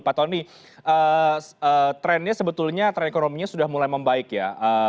pak tony tren ekonominya sebetulnya sudah mulai membaik ya